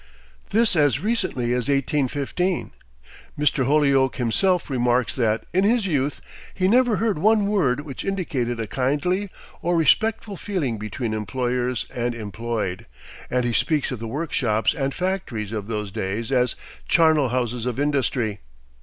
This as recently as 1815! Mr. Holyoake himself remarks that, in his youth, he never heard one word which indicated a kindly or respectful feeling between employers and employed; and he speaks of the workshops and factories of those days as "charnel houses of industry."